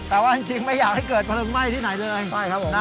แต่ว่าจริงไม่อยากให้เกิดเผลอไหม้ที่ไหนเลย